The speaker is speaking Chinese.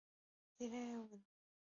这种方法称为动态动力学拆分。